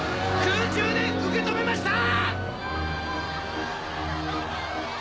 空中で受け止めました！